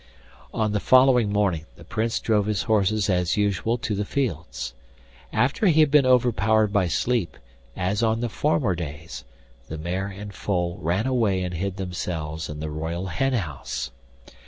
On the following morning the Prince drove his horses as usual to the fields. After he had been overpowered by sleep, as on the former days, the mare and foal ran away and hid themselves in the royal hen house.